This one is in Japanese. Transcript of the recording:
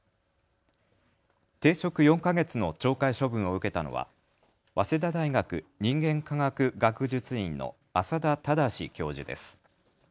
停職４か月の懲戒処分を受けたのは早稲田大学人間科学学術院の浅田匡教授です。